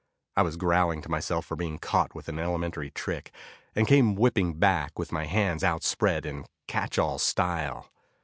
I was growling to myself for being caught with an elementary trick, and came whipping back with my hands outspread in catch all style.